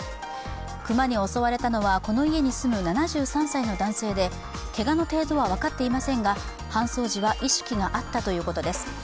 熊に襲われたのはこの家に住む７３歳の男性でけがの程度は分かっていませんが搬送時は意識があったということです。